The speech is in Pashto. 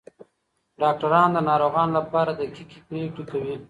ډاکټران د ناروغانو لپاره دقیقې پریکړې کوي.